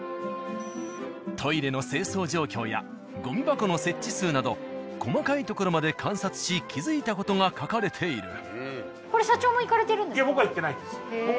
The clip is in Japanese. トイレの清掃状況やゴミ箱の設置数など細かいところまで観察し気付いた事が書かれている。